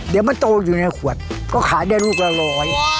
เดี๋ยวมันโตอยู่ในขวดก็ขายได้ลูกละร้อย